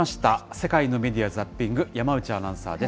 世界のメディア・ザッピング、山内アナウンサーです。